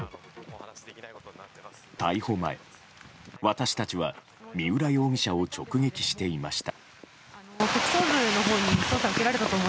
逮捕前、私たちは三浦容疑者を直撃していました。